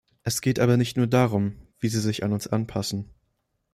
Es geht aber nicht nur darum, wie sie sich an uns anpassen.